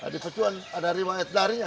di pacuan ada riwayat darinya